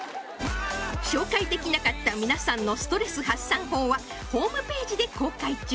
紹介できなかった皆さんのストレス発散法はホームページで公開中